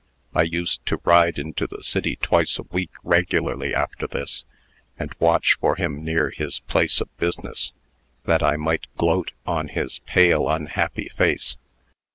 I used to ride into the city twice a week regularly after this, and watch for him near his place of business, that I might gloat on his pale, unhappy face.